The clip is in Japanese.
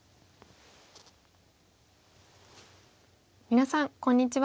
皆さんこんにちは。